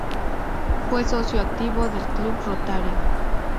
Fue socio activo del Club Rotario.